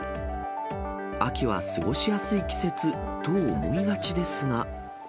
秋は過ごしやすい季節と思いがちですが。